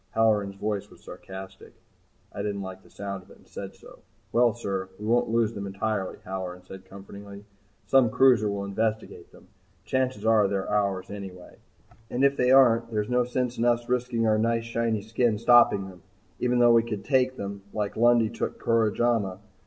Halloran's voice was sarcastic. I didn't like the sound of it, and said so. "Well, sir we won't lose them entirely," Halloran said comfortingly. "Some cruiser will investigate them. Chances are they're ours anyway and if they aren't there's no sense in us risking our nice shiny skin stopping them even though we could take them like Lundy took Koromaja.